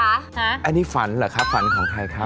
อันนี้ฝันเหรอครับฝันของใครครับ